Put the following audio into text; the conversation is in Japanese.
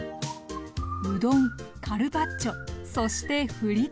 うどんカルパッチョそしてフリット。